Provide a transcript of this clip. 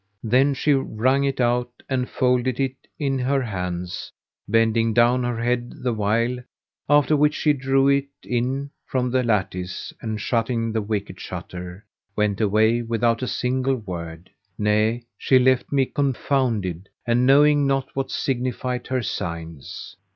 Then she wrung it out and folded it in her hands, bending down her head the while; after which she drew it in from the lattice and, shutting the wicket shutter, went away without a single word; nay, she left me confounded and knowing not what signified her signs.